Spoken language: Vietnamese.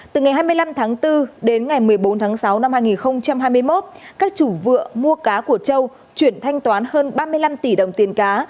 từ ngày hai mươi năm tháng bốn đến ngày một mươi bốn tháng sáu năm hai nghìn hai mươi một các chủ vựa mua cá của châu chuyển thanh toán hơn ba mươi năm tỷ đồng tiền cá